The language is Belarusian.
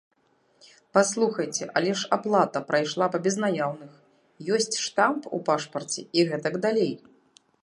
Паслухайце, але ж аплата прайшла па безнаяўных, ёсць штамп у пашпарце і гэтак далей.